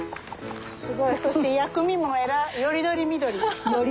すごいそして薬味もより取り見取り。